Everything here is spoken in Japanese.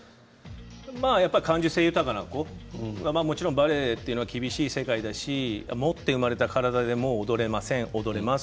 やっぱり感受性豊かな子もちろんバレエっていうのは厳しい世界ですし持って生まれた体でもう踊れます、踊れません